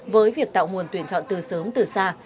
với việc tạo nguồn tuyển chọn từ sớm từ xa